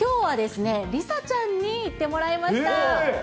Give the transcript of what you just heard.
きょうは梨紗ちゃんにいってもらいました。